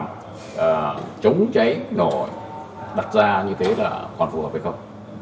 phòng chống cháy nổ đặt ra như thế là còn phù hợp hay không